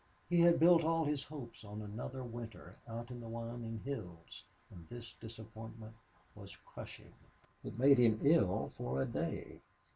He had built all his hopes on another winter out in the Wyoming hills, and this disappointment was crushing. It made him ill for a day.